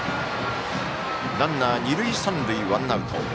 ランナー、二塁三塁、ワンアウト。